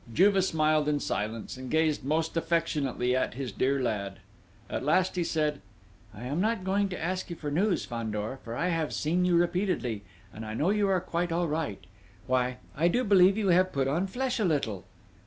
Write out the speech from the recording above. Juve smiled in silence, and gazed most affectionately at his dear lad. At last he said: "I am not going to ask you for your news, Fandor, for I have seen you repeatedly, and I know you are quite all right.... Why, I do believe you have put on flesh a little!"